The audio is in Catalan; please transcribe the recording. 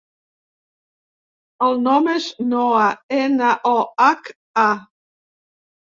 El nom és Noha: ena, o, hac, a.